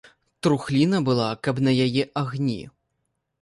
Трухліна была, каб на яе агні.